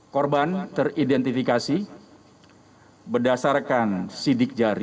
korban teridentifikasi berdasarkan sidik jari